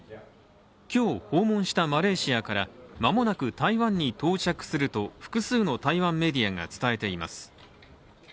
今日、訪問したマレーシアから間もなく台湾に到着すると複数の台湾メディアが伝えています。